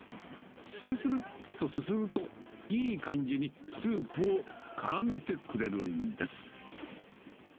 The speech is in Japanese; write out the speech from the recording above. するするっとすすると、いい感じにスープをからめてくれるんです。